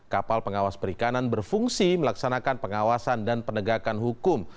kapal pengawas perikanan berfungsi melaksanakan pengawasan dan penegakan hukum